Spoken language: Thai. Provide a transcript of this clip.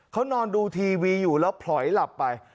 เขานอนดูทีวีอยู่แล้วผลอยหลับไป